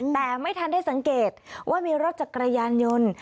แต่ไม่ทันได้สังเกตว่ามีรถจักรยานยนต์